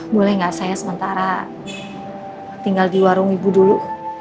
boleh nggak saya sementara tinggal di warung ibu dulu